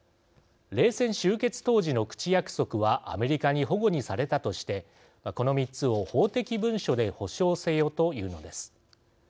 冷戦終結当時の口約束はアメリカにほごにされたとしてこの３つを法的文書で保証せよというのです。